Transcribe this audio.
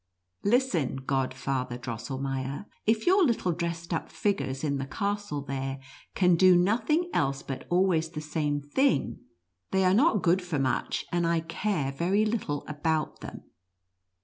Listen, Godfather Dros selnieier. If your little dressed up figures in the castle there, can do nothing else but always the same thing, they are not good for rauch, and I care very little about them.